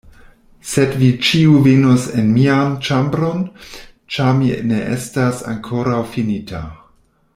Sed vi ĉiuj venos en mian ĉambron, ĉar mi ne estas ankoraŭ fininta.